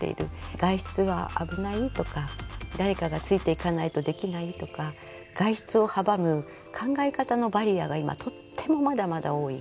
外出は危ないとか誰かがついていかないとできないとか外出を阻む考え方のバリアが今とってもまだまだ多い。